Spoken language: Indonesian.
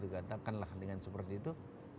katakanlah dengan seperti itu